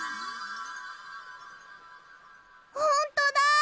ほんとだ！